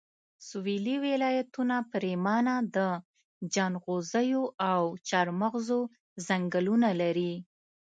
سويلي ولایتونه پرېمانه د جنغوزیو او چارمغزو ځنګلونه لري